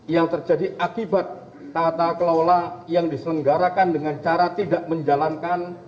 yang terjadi akibat tata kelola yang diselenggarakan dengan cara tidak menjalankan